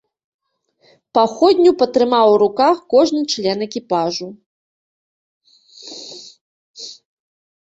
Паходню патрымаў у руках кожны член экіпажу.